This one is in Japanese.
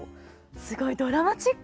すごいドラマチック。